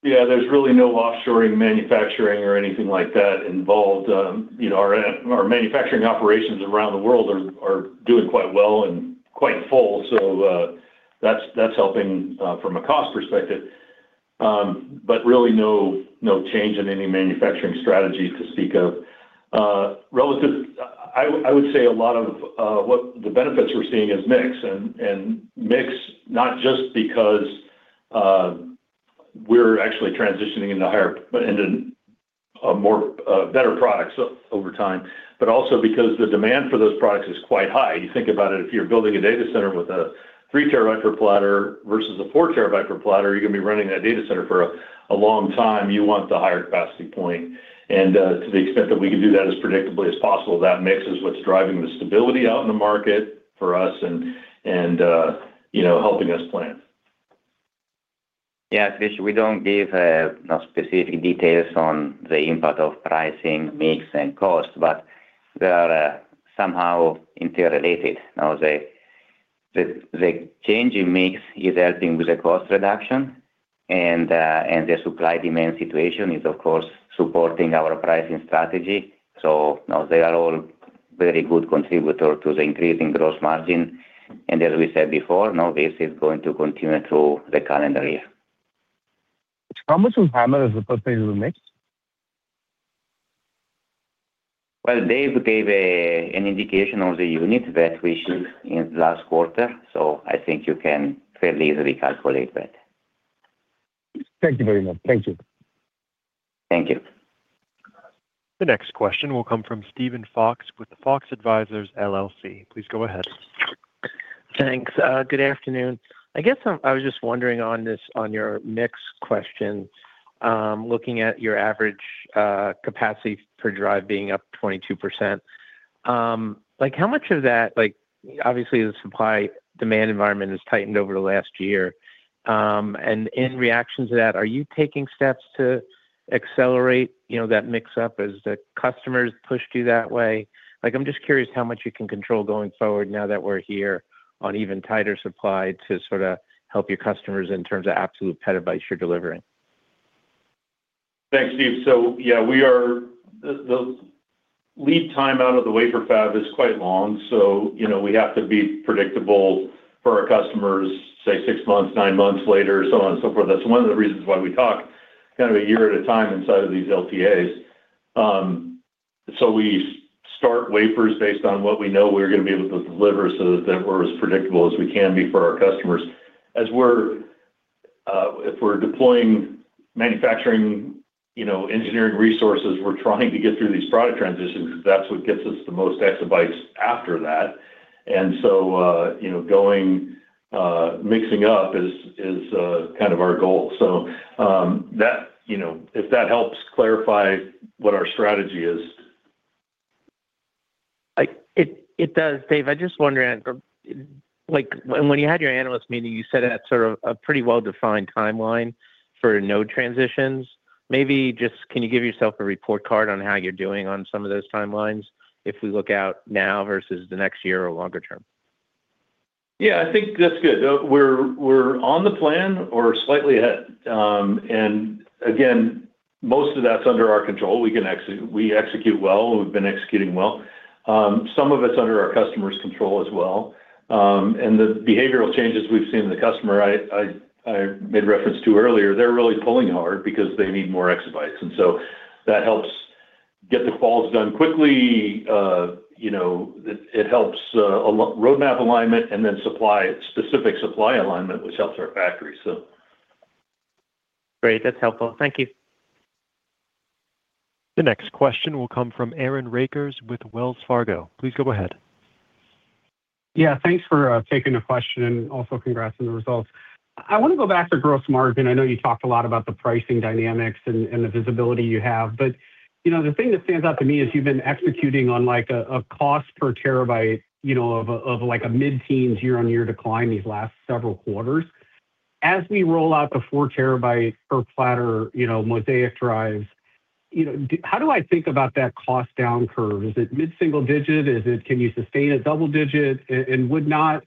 Speaker 3: Yeah, there's really no offshoring manufacturing or anything like that involved. You know, our manufacturing operations around the world are doing quite well and quite full, so that's helping from a cost perspective. But really no change in any manufacturing strategy to speak of. Relative—I would say a lot of what the benefits we're seeing is mix, and mix not just because we're actually transitioning into higher, but into a more better products over time, but also because the demand for those products is quite high. You think about it, if you're building a data center with a 3 TB per platter versus a 4 TB per platter, you're going to be running that data center for a long time. You want the higher capacity point. To the extent that we can do that as predictably as possible, that mix is what's driving the stability out in the market for us and you know, helping us plan.
Speaker 4: Yeah, Krish, we don't give specific details on the impact of pricing, mix, and cost, but they are somehow interrelated. Now, the change in mix is helping with the cost reduction, and the supply-demand situation is, of course, supporting our pricing strategy. So now they are all very good contributor to the increasing gross margin, and as we said before, now this is going to continue through the calendar year.
Speaker 13: How much of HAMR is the percentage of the mix?
Speaker 4: Well, Dave gave an indication on the unit that we shipped in last quarter, so I think you can fairly easily calculate that.
Speaker 13: Thank you very much. Thank you.
Speaker 4: Thank you.
Speaker 1: The next question will come from Steven Fox with the Fox Advisors LLC. Please go ahead.
Speaker 14: Thanks. Good afternoon. I guess I was just wondering on this, on your mix question, looking at your average capacity per drive being up 22%, like, how much of that, like, obviously, the supply-demand environment has tightened over the last year. And in reaction to that, are you taking steps to accelerate, you know, that mix up as the customers pushed you that way? Like, I'm just curious how much you can control going forward now that we're here on even tighter supply to sort of help your customers in terms of absolute petabytes you're delivering.
Speaker 3: Thanks, Steve. So yeah, we are. The lead time out of the wafer fab is quite long, so you know, we have to be predictable for our customers, say, six months, nine months later, so on and so forth. That's one of the reasons why we talk kind of a year at a time inside of these LTAs. So we start wafers based on what we know we're gonna be able to deliver so that we're as predictable as we can be for our customers. As if we're deploying manufacturing, you know, engineering resources, we're trying to get through these product transitions because that's what gets us the most exabytes after that. And so you know, going mixing up is kind of our goal. So that you know, if that helps clarify what our strategy is.
Speaker 14: It does, Dave. I just wonder, like, when you had your analyst meeting, you said that sort of a pretty well-defined timeline for no transitions. Maybe just can you give yourself a report card on how you're doing on some of those timelines if we look out now versus the next year or longer term?
Speaker 3: Yeah, I think that's good. We're on the plan or slightly ahead. Most of that's under our control. We can execute. We execute well, and we've been executing well. Some of it's under our customer's control as well. The behavioral changes we've seen in the customer, I made reference to earlier, they're really pulling hard because they need more exabytes. And so that helps get the quals done quickly, you know, it helps a lot of roadmap alignment and then supply, specific supply alignment, which helps our factory. So.
Speaker 14: Great, that's helpful. Thank you.
Speaker 1: The next question will come from Aaron Rakers with Wells Fargo. Please go ahead.
Speaker 15: Yeah, thanks for taking the question, and also congrats on the results. I want to go back to gross margin. I know you talked a lot about the pricing dynamics and the visibility you have, but you know, the thing that stands out to me is you've been executing on, like, a cost per TB, you know, of like a mid-teens year-on-year decline these last several quarters. As we roll out the 4 TB per platter, you know, Mozaic drives, you know, how do I think about that cost down curve? Is it mid-single digit? Is it... Can you sustain a double digit? And wouldn't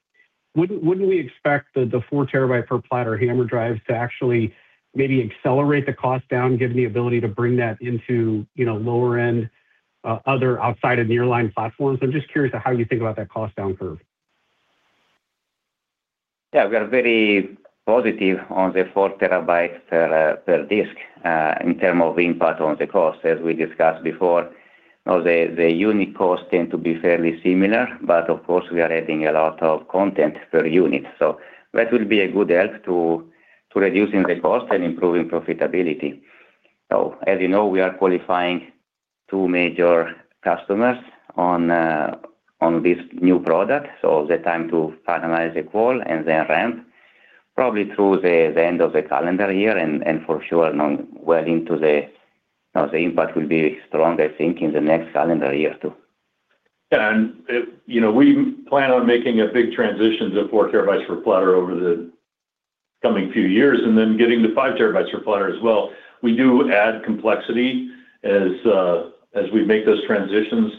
Speaker 15: we expect the 4 TB per platter HAMR drives to actually maybe accelerate the cost down, given the ability to bring that into, you know, lower end, other outside of nearline platforms? I'm just curious of how you think about that cost down curve?
Speaker 4: Yeah, we are very positive on the 4 TB per disk in terms of impact on the cost. As we discussed before, now the unique costs tend to be fairly similar, but of course, we are adding a lot of content per unit. So that will be a good help to reducing the cost and improving profitability. So as you know, we are qualifying two major customers on this new product, so the time to finalize the qual and then ramp, probably through the end of the calendar year and for sure now well into the now the impact will be strong, I think, in the next calendar year, too.
Speaker 3: Yeah, and you know, we plan on making a big transition to 4 TB per platter over the coming few years, and then getting to 5 TB per platter as well. We do add complexity as we make those transitions,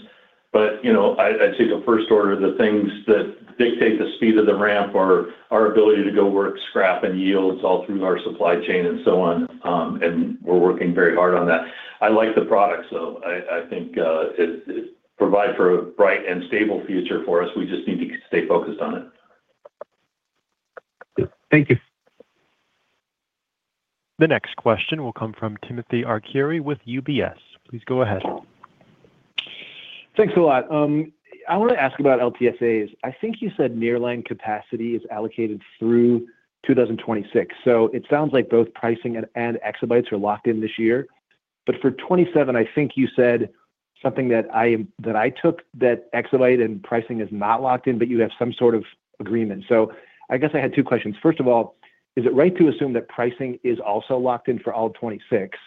Speaker 3: but you know, I'd say the first order, the things that dictate the speed of the ramp are our ability to go work scrap and yields all through our supply chain and so on, and we're working very hard on that. I like the product, so I think it provide for a bright and stable future for us. We just need to stay focused on it.
Speaker 15: Thank you.
Speaker 1: The next question will come from Timothy Arcuri with UBS. Please go ahead.
Speaker 16: Thanks a lot. I want to ask about LTAs. I think you said nearline capacity is allocated through 2026, so it sounds like both pricing and exabytes are locked in this year. But for 2027, I think you said something that I took that exabyte and pricing is not locked in, but you have some sort of agreement. So I guess I had two questions. First of all, is it right to assume that pricing is also locked in for all of 2026?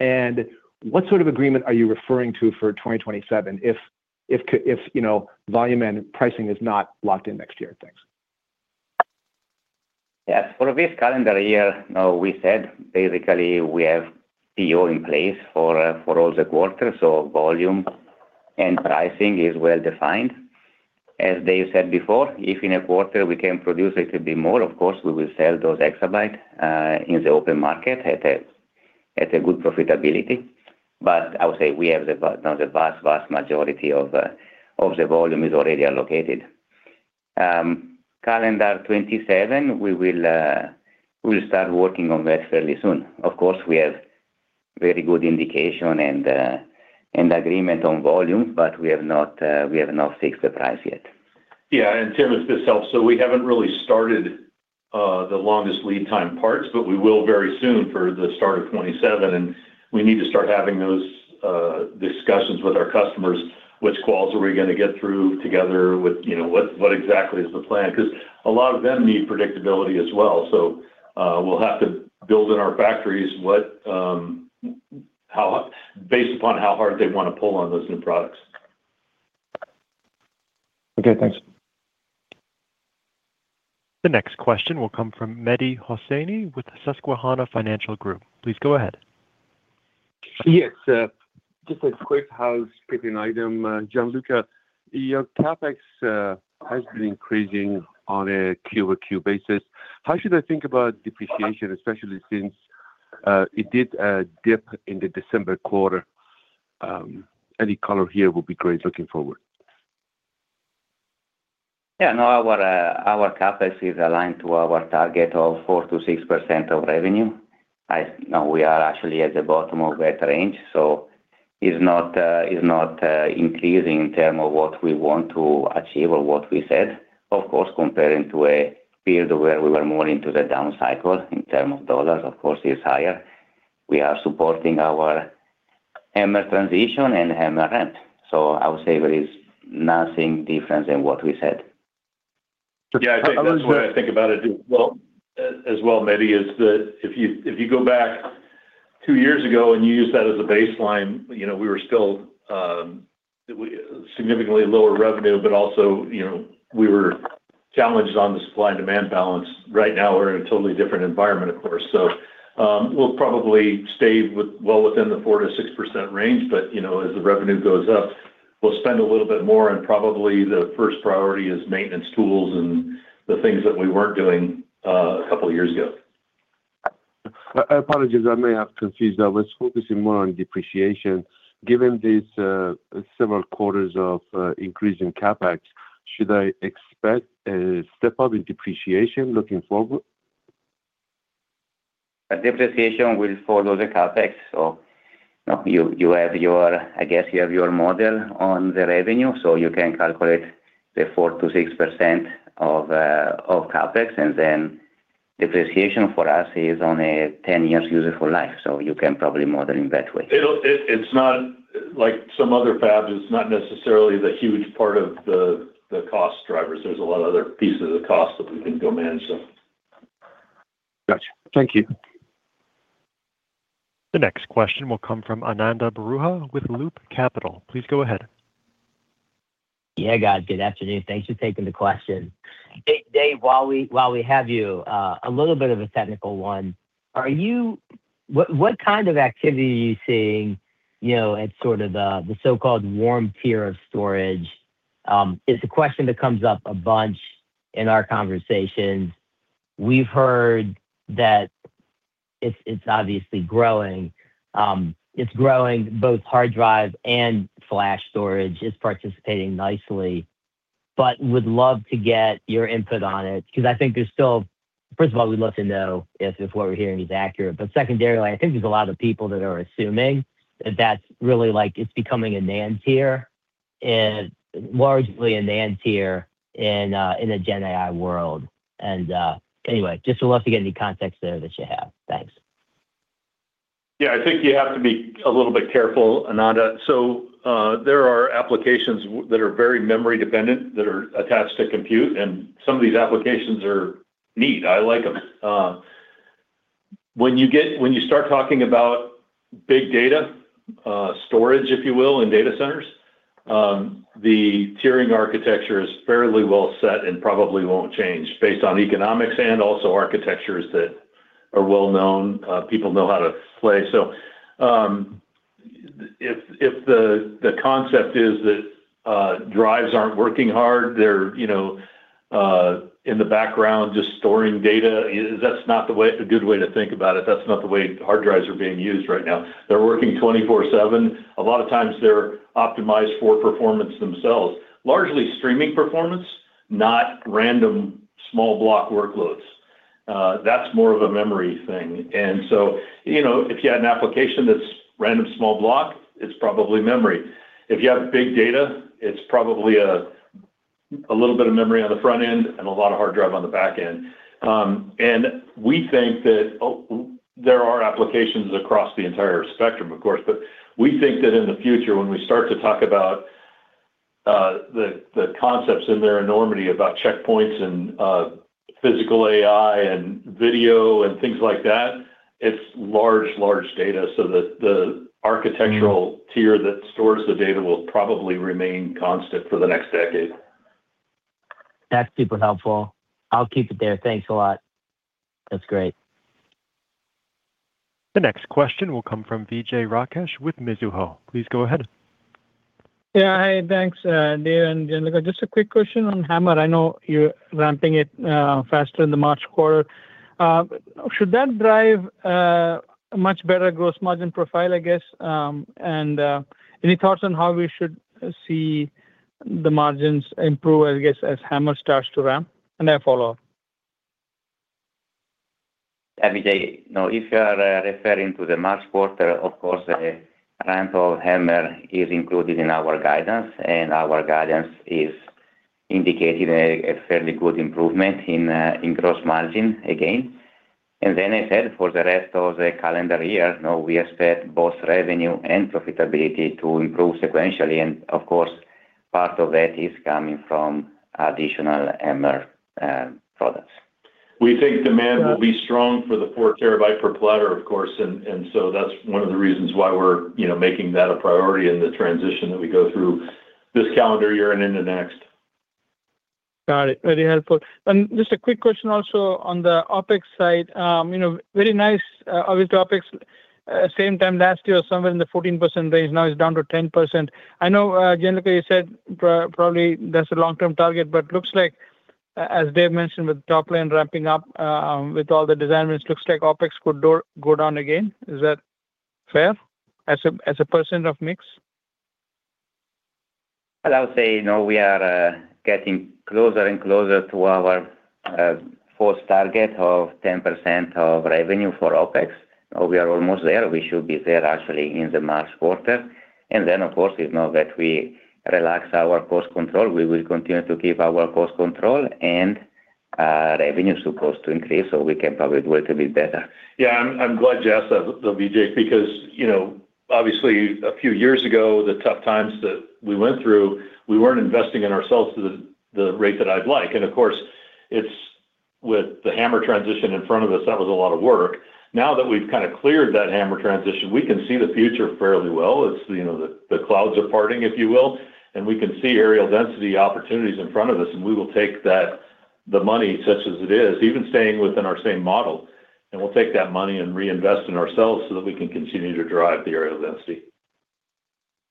Speaker 16: And what sort of agreement are you referring to for 2027, if you know, volume and pricing is not locked in next year? Thanks.
Speaker 4: Yes. For this calendar year, now, we said basically we have PO in place for, for all the quarters, so volume and pricing is well defined. As Dave said before, if in a quarter we can produce a little bit more, of course, we will sell those exabyte in the open market at a, at a good profitability. But I would say we have the vast, now the vast, vast majority of, of the volume is already allocated. Calendar 2027, we will, we'll start working on that fairly soon. Of course, we have very good indication and, and agreement on volumes, but we have not, we have not fixed the price yet.
Speaker 3: Yeah, and Tim, if this helps, so we haven't really started the longest lead time parts, but we will very soon for the start of 2027, and we need to start having those discussions with our customers, which quals are we going to get through together with, you know, what, what exactly is the plan? Because a lot of them need predictability as well, so we'll have to build in our factories what, how, based upon how hard they want to pull on those new products.
Speaker 16: Okay, thanks.
Speaker 1: The next question will come from Mehdi Hosseini with the Susquehanna Financial Group. Please go ahead.
Speaker 17: Yes, just a quick housekeeping item, Gianluca. Your CapEx has been increasing on a quarter on quarter basis. How should I think about depreciation, especially since it did dip in the December quarter? Any color here will be great looking forward.
Speaker 4: Yeah, no, our CapEx is aligned to our target of 4%-6% of revenue. Now, we are actually at the bottom of that range, so it's not, it's not, increasing in term of what we want to achieve or what we said. Of course, comparing to a period where we were more into the down cycle in term of dollars, of course, is higher. We are supporting our HAMR transition and HAMR ramp. So I would say there is nothing different than what we said.
Speaker 3: Yeah, I think that's the way I think about it as well, as well, Mehdi, is that if you, if you go back two years ago and you use that as a baseline, you know, we were still significantly lower revenue, but also, you know, we were challenged on the supply-demand balance. Right now, we're in a totally different environment, of course. So, we'll probably stay well within the 4%-6% range, but, you know, as the revenue goes up, we'll spend a little bit more, and probably the first priority is maintenance tools and the things that we weren't doing a couple of years ago.
Speaker 17: I apologize, I may have confused. I was focusing more on depreciation. Given these several quarters of increase in CapEx, should I expect a step up in depreciation looking forward?
Speaker 4: Depreciation will follow the CapEx. So, I guess you have your model on the revenue, so you can calculate the 4%-6% of CapEx, and then depreciation for us is on a 10-year useful life, so you can probably model in that way.
Speaker 3: It's not like some other fabs, it's not necessarily the huge part of the cost drivers. There's a lot of other pieces of cost that we can go manage, so.
Speaker 17: Got you. Thank you.
Speaker 1: The next question will come from Ananda Baruah with Loop Capital. Please go ahead.
Speaker 18: Yeah, guys. Good afternoon. Thanks for taking the question. Dave, while we have you, a little bit of a technical one, are you—what kind of activity are you seeing, you know, at sort of the so-called warm tier of storage? It's a question that comes up a bunch in our conversations. We've heard that it's obviously growing. It's growing both hard drive and flash storage. It's participating nicely, but would love to get your input on it, 'cause I think there's still... First of all, we'd love to know if what we're hearing is accurate. But secondarily, I think there's a lot of people that are assuming that that's really, like, it's becoming a NAND tier, and largely a NAND tier in a GenAI world. Anyway, just would love to get any context there that you have. Thanks.
Speaker 3: Yeah, I think you have to be a little bit careful, Ananda. So, there are applications that are very memory-dependent, that are attached to compute, and some of these applications are neat. I like them. When you start talking about big data storage, if you will, in data centers, the tiering architecture is fairly well set and probably won't change based on economics and also architectures that are well known, people know how to play. So, if the concept is that drives aren't working hard, they're, you know, in the background, just storing data, that's not the way a good way to think about it. That's not the way hard drives are being used right now. They're working 24/7. A lot of times they're optimized for performance themselves, largely streaming performance, not random small block workloads. That's more of a memory thing. And so, you know, if you had an application that's random small block, it's probably memory. If you have big data, it's probably a little bit of memory on the front end and a lot of hard drive on the back end. And we think that there are applications across the entire spectrum, of course, but we think that in the future, when we start to talk about the concepts in their enormity, about checkpoints and physical AI and video and things like that, it's large, large data, so the architectural tier that stores the data will probably remain constant for the next decade.
Speaker 18: That's super helpful. I'll keep it there. Thanks a lot. That's great.
Speaker 1: The next question will come from Vijay Rakesh with Mizuho. Please go ahead.
Speaker 19: Yeah, hi. Thanks, Dave and Gianluca. Just a quick question on HAMR. I know you're ramping it faster in the March quarter. Should that drive a much better gross margin profile, I guess? And any thoughts on how we should see the margins improve, I guess, as HAMR starts to ramp? And then follow up.
Speaker 4: Vijay, now, if you are referring to the March quarter, of course, the ramp of HAMR is included in our guidance, and our guidance is indicating a fairly good improvement in gross margin again. And then I said, for the rest of the calendar year, now we expect both revenue and profitability to improve sequentially, and of course, part of that is coming from additional HAMR products.
Speaker 3: We think demand will be strong for the 4 TB per platter, of course, and so that's one of the reasons why we're, you know, making that a priority in the transition that we go through this calendar year and into next.
Speaker 19: Got it. Very helpful. And just a quick question also on the OpEx side. You know, very nice, obvious topics. Same time last year, somewhere in the 14% range, now it's down to 10%. I know, Gianluca, you said probably that's a long-term target, but looks like, as Dave mentioned, with top line ramping up, with all the design wins, it looks like OpEx could go down again. Is that fair, as a percent of mix?
Speaker 4: Well, I would say, you know, we are getting closer and closer to our fourth target of 10% of revenue for OpEx. We are almost there. We should be there actually in the March quarter. And then, of course, it's not that we relax our cost control. We will continue to keep our cost control and revenue supposed to increase, so we can probably do it a bit better.
Speaker 3: Yeah, I'm, I'm glad you asked that, Vijay, because, you know, obviously, a few years ago, the tough times that we went through, we weren't investing in ourselves to the, the rate that I'd like. And of course, it's with the HAMR transition in front of us, that was a lot of work. Now that we've kind of cleared that HAMR transition, we can see the future fairly well. It's, you know, the, the clouds are parting, if you will, and we can see areal density opportunities in front of us, and we will take that, the money, such as it is, even staying within our same model, and we'll take that money and reinvest in ourselves so that we can continue to drive the areal density.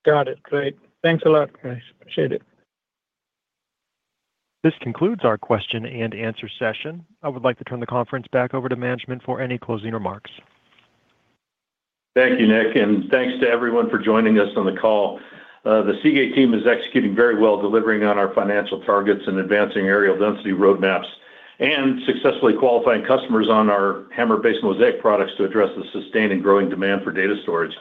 Speaker 19: Got it. Great. Thanks a lot, guys. Appreciate it.
Speaker 1: This concludes our question and answer session. I would like to turn the conference back over to management for any closing remarks.
Speaker 3: Thank you, Nick, and thanks to everyone for joining us on the call. The Seagate team is executing very well, delivering on our financial targets and advancing areal density roadmaps, and successfully qualifying customers on our HAMR-based Mozaic products to address the sustained and growing demand for data storage.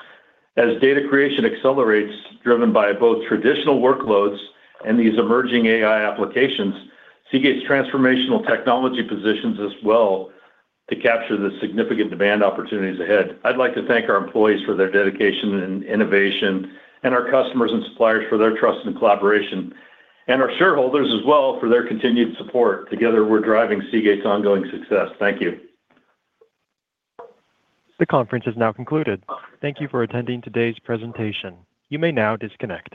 Speaker 3: As data creation accelerates, driven by both traditional workloads and these emerging AI applications, Seagate's transformational technology positions us well to capture the significant demand opportunities ahead. I'd like to thank our employees for their dedication and innovation, and our customers and suppliers for their trust and collaboration, and our shareholders as well for their continued support. Together, we're driving Seagate's ongoing success. Thank you.
Speaker 1: The conference is now concluded. Thank you for attending today's presentation. You may now disconnect.